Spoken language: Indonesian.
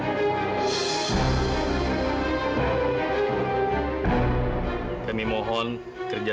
untuk thane ini